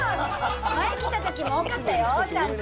前来たときも多かったよ、ちゃんと。